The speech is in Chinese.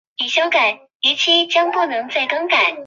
复活节也是他制定的。